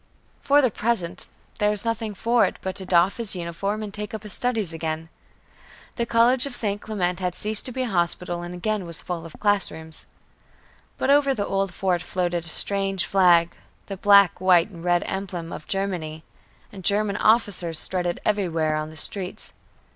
For the present, there was nothing for it, but to doff his uniform and take up his studies again. The college of St. Clement had ceased to be a hospital and was again full of classrooms. But over the old fort floated a strange flag the black, white and red emblem of Germany, and German officers strutted everywhere on the streets.